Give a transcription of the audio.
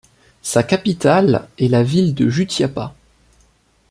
Sa capitale est la ville de Jutiapa.